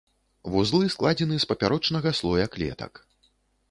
Вузлы складзены з папярочнага слоя клетак.